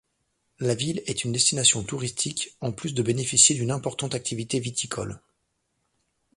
La ville est une destination touristique en plus de bénéficier d'une importante activité viticole.